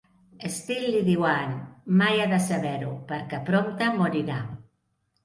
Steele li diu a Ann, "mai ha de saber-ho" perquè prompte morirà.